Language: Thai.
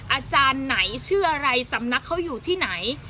อาจารย์ไหนชื่ออะไรสำนักเขาอยู่ที่ไหน